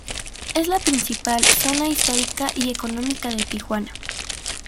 Es la principal zona histórica y económica de Tijuana.